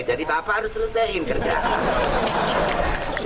jadi bapak harus selesaikan kerjaan